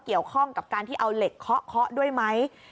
เกี่ยวข้องกับการที่เอาเหล็กเคาะเคาะด้วยไหม